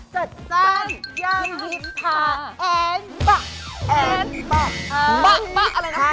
จัดจ้านแย่นวิภา